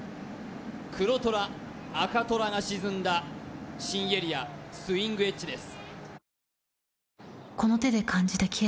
黒虎赤虎が沈んだ新エリアスイングエッジです